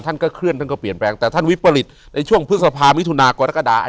ท่านก็เคลื่อนท่านก็เปลี่ยนแปลงแต่ท่านวิปริตในช่วงพฤษภามิถุนากรกฎา